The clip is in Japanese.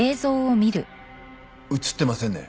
映ってませんね。